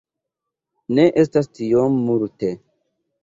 Ne estas tiom multe.